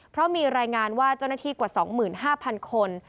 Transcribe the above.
เพราะมีรายงานว่าเจ้าหน้าที่กว่า๒๕๐๐คน